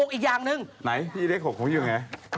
๖อีกอย่างนึง